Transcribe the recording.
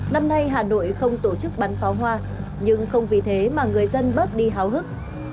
năm nay hà nội không tổ chức bắn pháo hoa nhưng không vì thế mà người dân bớt đi háo hức